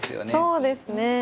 そうですね。